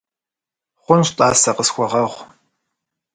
Хъунщ, тӀасэ, къысхуэгъэгъу.